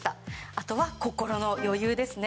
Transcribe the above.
あとは心の余裕ですね。